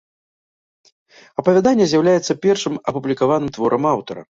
Апавяданне з'яўляецца першым апублікаваным творам аўтара.